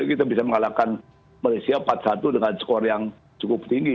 kita bisa mengalahkan malaysia empat satu dengan skor yang cukup tinggi